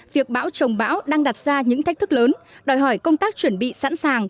việc bão trồng bão đang đặt ra những thách thức lớn đòi hỏi công tác chuẩn bị sẵn sàng